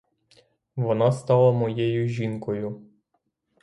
Вона стала моєю жінкою.